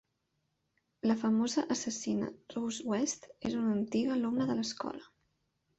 La famosa assassina Rose West és una antiga alumna de l'escola.